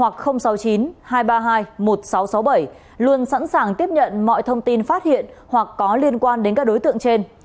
công an sẵn sàng tiếp nhận mọi thông tin phát hiện hoặc có liên quan đến các đối tượng trên